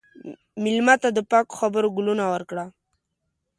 مېلمه ته د پاکو خبرو ګلونه ورکړه.